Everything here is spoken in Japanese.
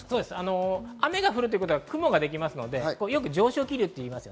雨が降るということは雲ができますので、よく上昇気流と言います。